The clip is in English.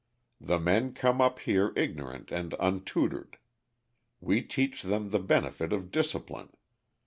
The men come up here ignorant and untutored. We teach them the benefit of discipline.